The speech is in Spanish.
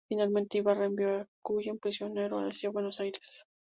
Finalmente Ibarra envió a Cullen prisionero hacia Buenos Aires.